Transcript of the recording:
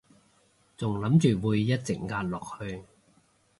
仲諗住會一直壓落去